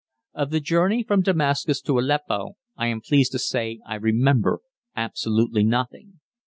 Of the journey from Damascus to Aleppo I am pleased to say I remember absolutely nothing.